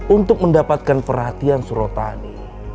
untuk mendapatkan perhatian surotani